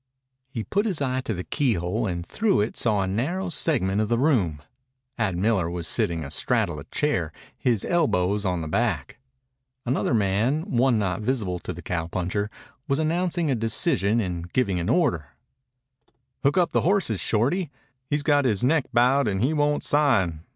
He put his eye to the keyhole, and through it saw a narrow segment of the room. Ad Miller was sitting a straddle a chair, his elbows on the back. Another man, one not visible to the cowpuncher, was announcing a decision and giving an order. "Hook up the horses, Shorty. He's got his neck bowed and he won't sign.